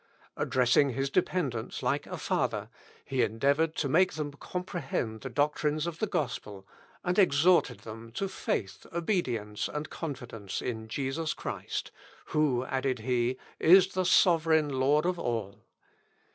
Addressing his dependants like a father, he endeavoured to make them comprehend the doctrines of the gospel, and exhorted them to faith, obedience, and confidence in Jesus Christ, "who," added he, "is the sovereign Lord of all."